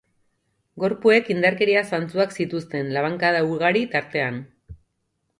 Gorpuek indarkeria-zantzuak zituzten, labankada ugari tartean.